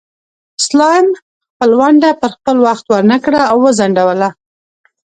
سلایم خپله ونډه پر خپل وخت ورنکړه او وځنډوله.